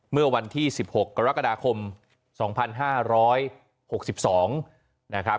เมื่อวันที่๑๖กรกฎาคม๒๕๖๒นะครับ